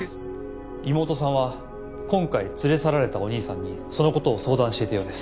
妹さんは今回連れ去られたお兄さんにそのことを相談していたようです。